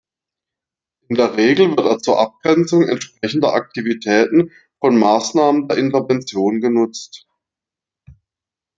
In der Regel wird er zur Abgrenzung entsprechender Aktivitäten von Maßnahmen der Intervention genutzt.